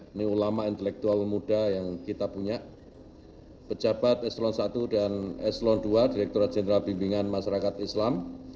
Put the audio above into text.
ini ulama intelektual pemuda yang kita punya pejabat eselon i dan eselon ii direkturat jenderal bimbingan masyarakat islam